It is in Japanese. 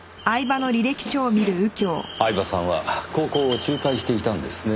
饗庭さんは高校を中退していたんですね。